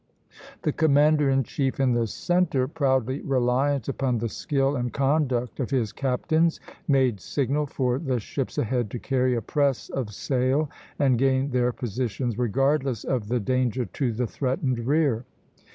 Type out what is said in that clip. The commander in chief in the centre, proudly reliant upon the skill and conduct of his captains, made signal for the ships ahead to carry a press of sail, and gain their positions regardless of the danger to the threatened rear.